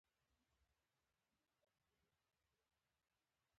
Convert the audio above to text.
د افغانستان په باب خپرونې نه کولې.